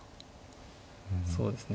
そうですね。